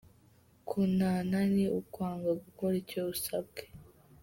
Kunana ni ukwanga gukora icyo usabwe.